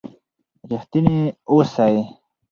رښتیني اوسئ.